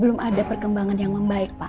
belum ada perkembangan yang membaik pak